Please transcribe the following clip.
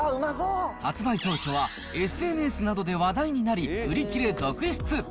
発売当初はＳＮＳなどで話題になり、売り切れ続出。